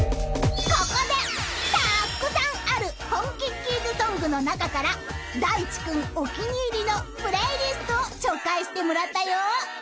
［ここでたくさんあるポンキッキーズソングの中から大知君お気に入りのプレイリストを紹介してもらったよ］